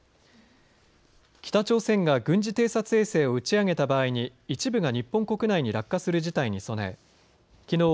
北朝鮮が軍事偵察衛星を打ち上げた場合に一部が日本国内に落下する事態に備えきのう